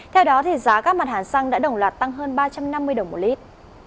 theo đó giá các mặt hàng xăng đã đồng loạt tăng hơn ba trăm năm mươi đồng một lít